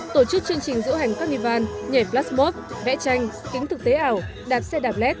tổ chức chương trình dự hành carnival nhảy flashmob vẽ tranh kính thực tế ảo đạp xe đạp led